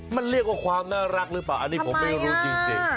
มันเรียกว่าความน่ารักหรือเปล่าอันนี้ผมไม่รู้จริง